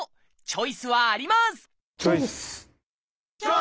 チョイス！